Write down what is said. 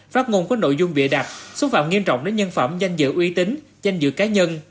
phát ngôn có nội dung bịa đặt xúc phạm nghiêm trọng đến nhân phẩm danh dự uy tín danh dự cá nhân